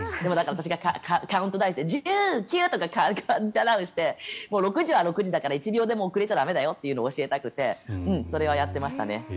私がカウントダウンで１０、９とかカウントダウンして６時は６時だから１秒でも遅れちゃ駄目だよと教えたくてそれはやっていました。